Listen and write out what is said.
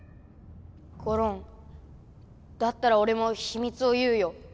ゴロンだったらおれもひみつを言うよ。